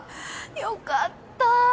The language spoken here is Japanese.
良かった。